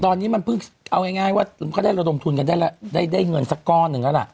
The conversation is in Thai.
ตอนนี้มันพึ่งเอาง่ายก็ได้เราดมทุนกันได้เงินสักก้อนนึงแล้วล่ะ